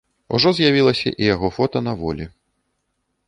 Ужо з'явілася і яго фота на волі.